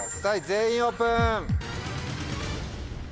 全員オープン！